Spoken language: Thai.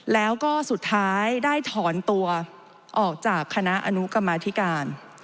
แล้วก็สุดท้ายได้ถอนตัวออกจากคณะอนุกรรมธิการ